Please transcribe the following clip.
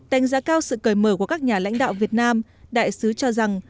đánh giá cao sự cởi mở của các nhà lãnh đạo việt nam đại sứ cho rằng